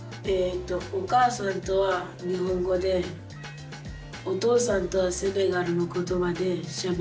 お母さんとは日本語でお父さんとはセネガルのことばでしゃべっています。